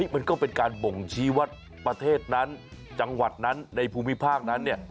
มันก็เป็นการบ่งชี้ว่าประเทศนั้นจังหวัดนั้นในภูมิภาคนั้นเนี่ย